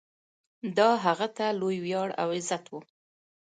دا هغه ته لوی ویاړ او عزت و.